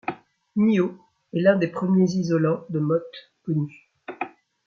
NiO est l'un des premiers isolants de Mott connus.